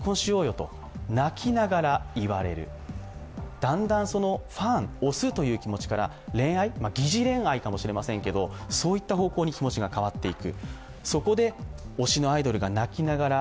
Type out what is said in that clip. だんだんファン、推すという気持ちから恋愛、疑似恋愛かもしれませんが、そういった方向に気持ちが変わっていく。